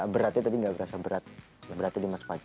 beratnya tadi nggak berasa berat beratnya di mas fajar